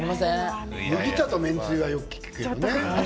麦茶と麺つゆはよく聞くけどね。